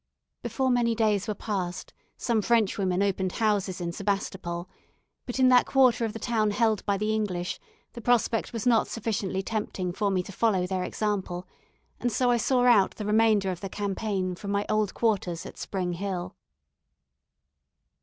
Before many days were passed, some Frenchwomen opened houses in Sebastopol; but in that quarter of the town held by the English the prospect was not sufficiently tempting for me to follow their example, and so I saw out the remainder of the campaign from my old quarters at Spring Hill.